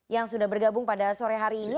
yang sudah bergabung pada sore hari ini